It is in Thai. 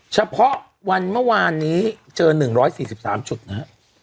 เฉพาะวันเมื่อวานนี้เจอ๑๔๓จุดนะฮะ